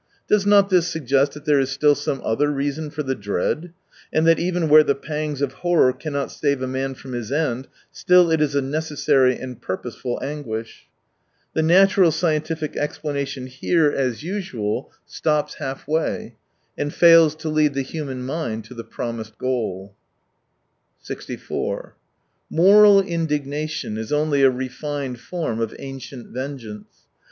Poes not this suggest that there is still some other reason for the dread, and that even where the pangs of horror cannot save a man from his end, still it is a necessary and purposeful anguish ? The natural scientific explanation here, as usual, 75 stops halfway, and fails to lead the human mind to the promised goal. 64 Moral indignation is only a refined form of ancient vengeance.